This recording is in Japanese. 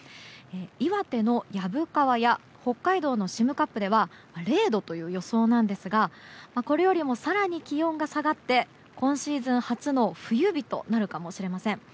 岩手の薮川や北海道の占冠では０度という予想なんですがこれよりも更に気温が下がって今シーズン初の冬日となるかもしれません。